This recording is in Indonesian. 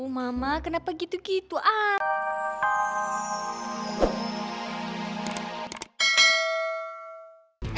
mama kenapa gitu gitu ah